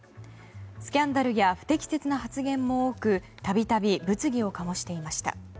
スキャンダルや不適切な発言も多く度々、物議を醸していました。